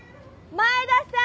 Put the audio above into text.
前田さん？